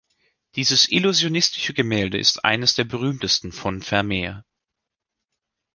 Dieses illusionistische Gemälde ist eines der berühmtesten von Vermeer.